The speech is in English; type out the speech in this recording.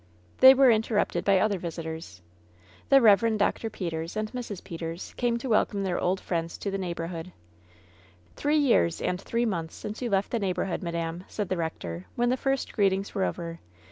They were interrupted by other visitors. The Eev. Dr. Peters and Mrs. Peters came to welcome their old friends to the neighborhood. "Three years aiid three months since you left the neighborhood, madam," said the rector, when the first greetings were over.